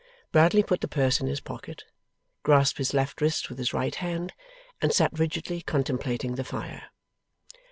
Bradley put the purse in his pocket, grasped his left wrist with his right hand, and sat rigidly contemplating the fire.